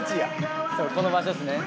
そうこの場所ですね。